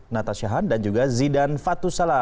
natasha hon dan juga zidan fatusalam